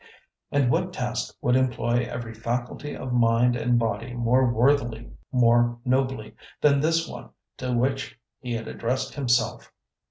And what task would employ every faculty of mind and body more worthily, more nobly, than this one to which he had addressed himself!